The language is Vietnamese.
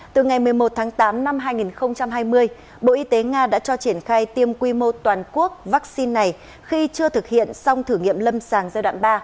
từ ngày một mươi một tháng tám năm hai nghìn hai mươi bộ y tế nga đã cho triển khai tiêm quy mô toàn quốc vaccine này khi chưa thực hiện xong thử nghiệm lâm sàng giai đoạn ba